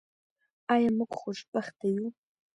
آیا موږ خوشبخته یو؟